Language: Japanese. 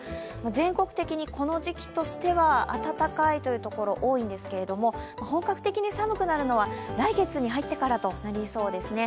全国的にこの時期としては暖かいというところ、多いんですが本格的に寒くなるのは来月に入ってからとなりそうですね。